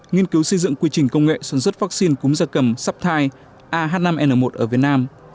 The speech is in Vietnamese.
nghiên cứu xây dựng quy trình công nghệ sản xuất vaccine cúm gia cầm saptie ah năm n một ở việt nam